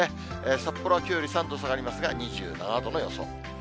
札幌はきょうより３度下がりますが、２７度の予想。